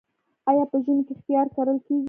آیا په ژمي کې خیار کرل کیږي؟